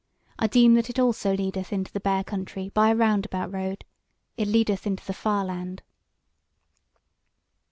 I deem that it also leadeth into the Bear country by a roundabout road. It leadeth into the far land."